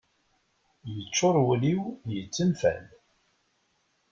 Yeččur wul-iw, yettenfal